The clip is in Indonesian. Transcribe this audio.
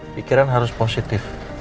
pikiran harus positif